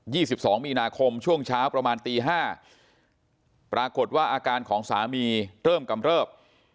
ี่สิบสองมีนาคมช่วงเช้าประมาณตีห้าปรากฏว่าอาการของสามีเริ่มกำเริบ